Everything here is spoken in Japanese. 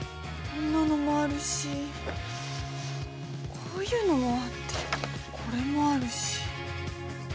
こんなのもあるしこういうのもあってこれもあるし。